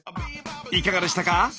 いかがでしたか？